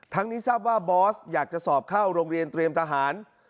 นี้ทราบว่าบอสอยากจะสอบเข้าโรงเรียนเตรียมทหาร